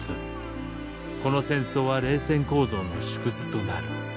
この戦争は冷戦構造の縮図となる。